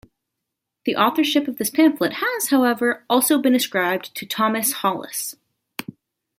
The authorship of this pamphlet has, however, also been ascribed to Thomas Hollis.